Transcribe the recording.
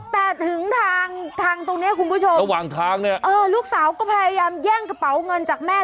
แต่ถึงทางตรงนี้คุณผู้ชมลูกสาวก็พยายามแย่งกระเป๋าเงินจากแม่